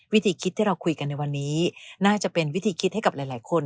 วิธีคิดที่เราคุยกันในวันนี้น่าจะเป็นวิธีคิดให้กับหลายคน